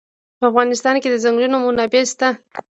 په افغانستان کې د ځنګلونه منابع شته.